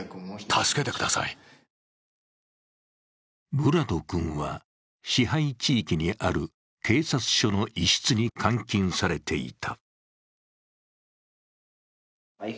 ヴラド君は支配地域にある警察署の一室に監禁されていた。